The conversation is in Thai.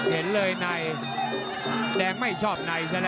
เห็นเลยในแดงไม่ชอบในแสดง